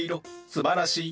すばらしい。